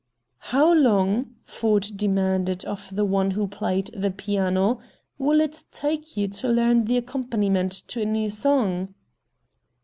"How long," Ford demanded of the one who played the piano, "will it take you to learn the accompaniment to a new song?"